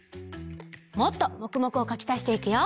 もっともくもくをかきたしていくよ！